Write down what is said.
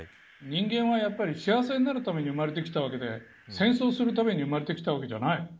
人間はやっぱり幸せになるために生まれてきたわけで戦争するために生まれてきたわけじゃない。